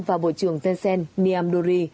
và bộ trưởng tencent niamdori